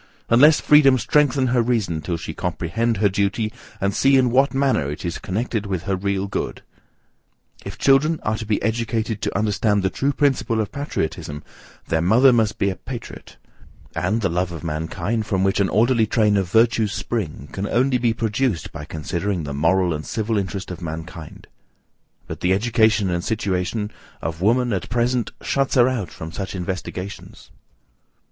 Unless freedom strengthen her reason till she comprehend her duty, and see in what manner it is connected with her real good? If children are to be educated to understand the true principle of patriotism, their mother must be a patriot; and the love of mankind, from which an orderly train of virtues spring, can only be produced by considering the moral and civil interest of mankind; but the education and situation of woman, at present, shuts her out from such investigations.